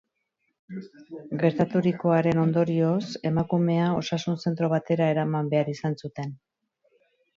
Gertaturikoaren ondorioz, emakumea osasun-zentro batera eraman behar izan zuten.